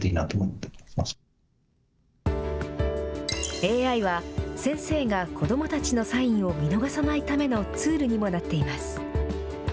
ＡＩは、先生が子どもたちのサインを見逃さないためのツールにもなっています。